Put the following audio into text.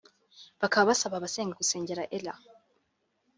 Bakaba basaba abasenga gusengera Ella